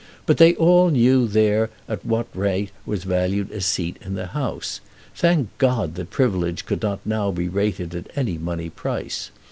But they all knew there at what rate was valued a seat in that House. Thank God that privilege could not now be rated at any money price.